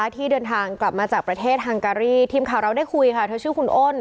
ที่เดินทางกลับมาจากประเทศฮังการีทีมข่าวเราได้คุยค่ะเธอชื่อคุณอ้น